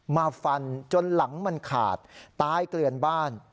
มาฟันจนหลังมันขาดตายเกลือนบ้าน